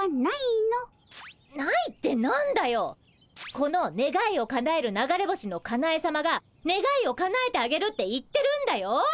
このねがいをかなえる流れ星のかなえさまがねがいをかなえてあげるって言ってるんだよ？